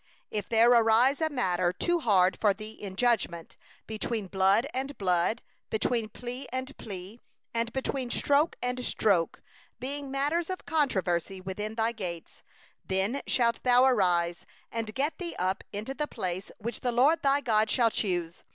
8If there arise a matter too hard for thee in judgment, between blood and blood, between plea and plea, and between stroke and stroke, even matters of controversy within thy gates; then shalt thou arise, and get thee up unto the place which the LORD thy God shall choose.